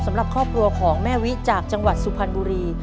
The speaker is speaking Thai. สำหรับครอบครัวของแม่วิจากจังหวัดสุพรรณบุรี